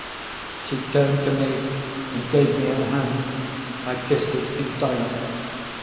She turned to me, and gave me her hand. I kissed it in silence.